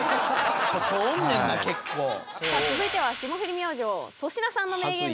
さあ続いては霜降り明星粗品さんの名言です。